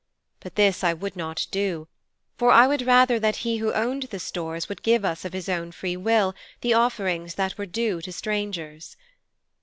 But this I would not do, for I would rather that he who owned the stores would give us of his own free will the offerings that were due to strangers.'